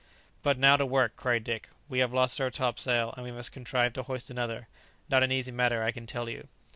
"But now to work!" cried Dick; "we have lost our topsail, and we must contrive to hoist another. Not an easy matter, I can tell you."